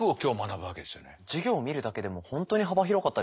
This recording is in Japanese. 授業を見るだけでも本当に幅広かったですね。